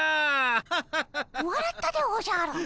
わらったでおじゃる。